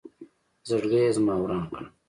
زړګې یې زما وران کړ